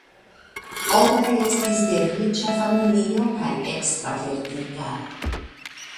Olga estis de riĉa familio kaj ekstravertita.